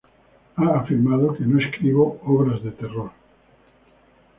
He afirmado que no escribo obras de "terror".